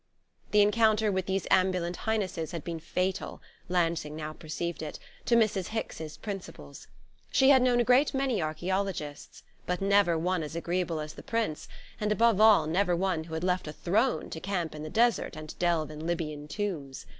The encounter with these ambulant Highnesses had been fatal Lansing now perceived it to Mrs. Hicks's principles. She had known a great many archaeologists, but never one as agreeable as the Prince, and above all never one who had left a throne to camp in the desert and delve in Libyan tombs.